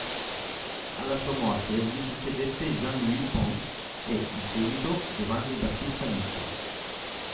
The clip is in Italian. Alla sua morte gli succedette Jean-Louis Pons e, in seguito, Giovanni Battista Amici.